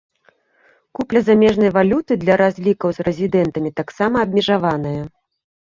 Купля замежнай валюты для разлікаў з рэзідэнтамі таксама абмежаваная.